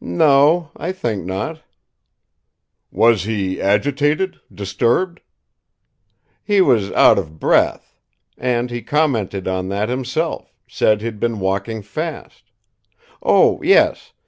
"No; I think not." "Was he agitated, disturbed?" "He was out of breath. And he commented on that himself, said he'd been walking fast. Oh, yes!